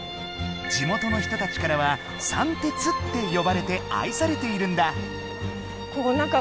地元の人たちからは「さんてつ」ってよばれてあいされているんだ。